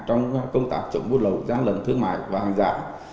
trong công tác chống buôn lậu gian lận thương mại và hàng giả